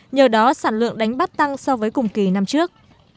nhờ đó sản lượng đánh bắt tăng so với cùng kỳ năm trước